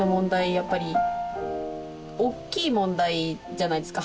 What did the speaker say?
やっぱり大きい問題じゃないですか。